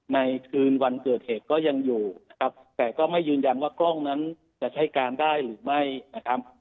ในคืนวันเกิดเหตุก็ยังอยู่นะครับแต่ก็ไม่ยืนยันว่ากล้องนั้นจะใช้การได้หรือไม่นะครับ